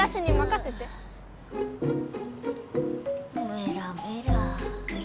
メラメラ。